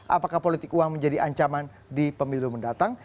apakah politik uang menjadi ancaman di pemilu mendatang